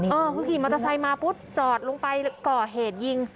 ขี่มอเตอร์ไซค์มาปุ๊บจอดลงไปก่อเหตุยิง